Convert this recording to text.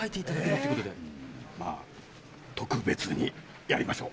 まぁ特別にやりましょう。